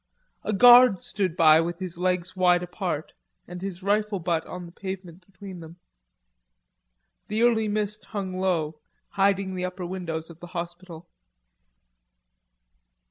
A guard stood by with his legs wide apart, and his rifle butt on the pavement between them. The early mist hung low, hiding the upper windows of the hospital.